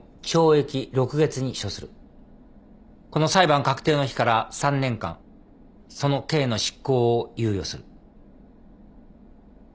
この裁判確定の日から３年間その刑の執行を猶予する。